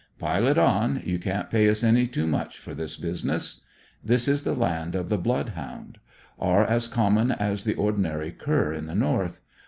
Pile it on, you can't pay us any too much for this business. This is the land of the blood hound. Are as common as the ordinary cur at the North.